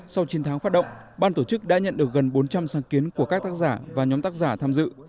sau chín tháng phát động ban tổ chức đã nhận được gần bốn trăm linh sáng kiến của các tác giả và nhóm tác giả tham dự